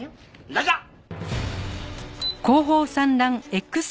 ラジャー！